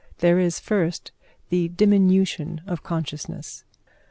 There is, first, the diminution of consciousness.